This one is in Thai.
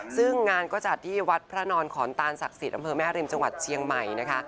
ซึ่งงานก็จัดที่วัดพระนอนขอนตานศักดิ์สิทธิ์อำเภอแม่ริมจังหวัดเชียงใหม่นะคะ